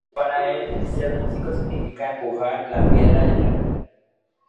Para el ser músico significa empujar la piedra del arte.